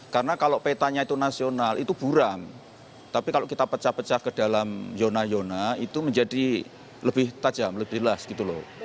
karena kalau petanya itu nasional itu buram tapi kalau kita pecah pecah ke dalam yona yona itu menjadi lebih tajam lebih last gitu loh